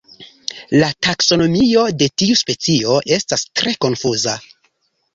La taksonomio de tiu specio estas tre konfuza.